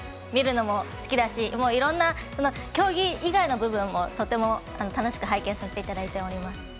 見るのも好きだしいろんな競技以外の部分も楽しく拝見させていただいております。